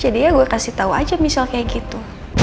jadi ya gue kasih tau aja misal kayak gitu